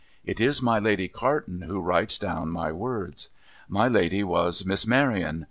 It is my Lady Carton who writes down my words. My Lady was Miss Maryon.